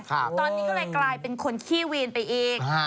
ตอนนี้ก็เลยกลายเป็นคนขี้วีนไปอีก